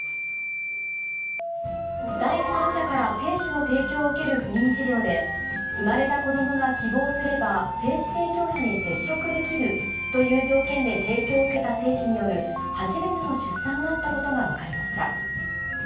第三者から精子の提供を受ける不妊治療で、生まれた子どもが希望すれば精子提供者に接触できるという条件で提供を受けた精子による初めての出産があったことが分かりました。